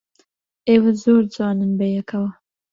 ئێوە زۆر جوانن بەیەکەوە.